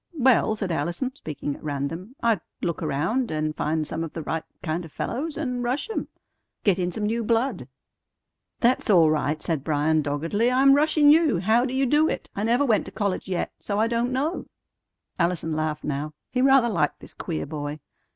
"Well," said Allison, speaking at random, "I'd look around, and find some of the right kind of fellows, and rush 'em. Get in some new blood." "That's all right," said Bryan doggedly. "I'm rushin' you. How do you do it? I never went to college yet; so I don't know." Allison laughed now. He rather liked this queer boy.